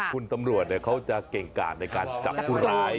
คุณตำรวจเขาจะเก่งกาดในการจับผู้ร้าย